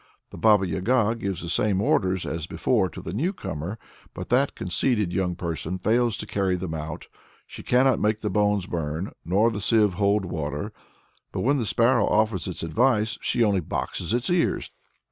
The Baba Yaga gives the same orders as before to the new comer, but that conceited young person fails to carry them out. She cannot make the bones burn, nor the sieve hold water, but when the sparrow offers its advice she only boxes its ears.